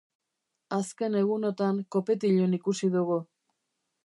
Azken egunotan kopetilun ikusi dugu.